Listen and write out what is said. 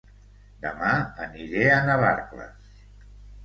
Dema aniré a Navarcles